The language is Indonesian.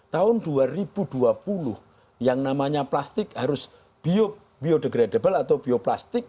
tahun dua ribu dua puluh yang namanya plastik harus biodegradable atau bioplastik